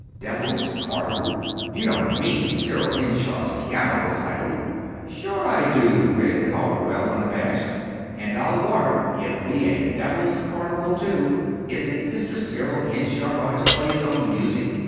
"Devil's carnival! You don't mean Cyril Henshaw's piano recital!" "Sure I do," grinned Calderwell, unabashed. "And I'll warrant it'll be a devil's carnival, too. Isn't Mr. Cyril Henshaw going to play his own music?